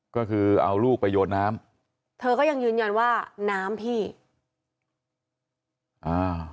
ก็คือเอาลูกไปโยนน้ำเธอก็ยังยืนยันว่าน้ำพี่อ่า